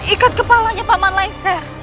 ikat kepalanya paman lengser